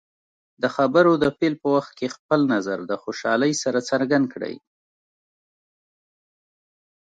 د خبرو د پیل په وخت کې خپل نظر د خوشحالۍ سره څرګند کړئ.